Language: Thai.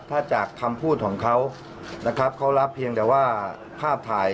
ถ้าจากคำพูดของเขานะครับเขารับเพียงแต่ว่าภาพถ่าย